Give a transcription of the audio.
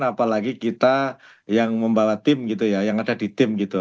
apalagi kita yang membawa tim gitu ya yang ada di tim gitu